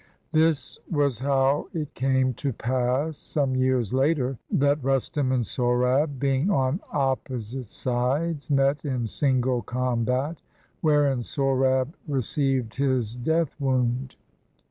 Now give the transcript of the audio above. This was how it came to pass, some years later, that Rustum and Sohrab, being on opposite sides, met in single combat, wherein Sohrab received his death wound.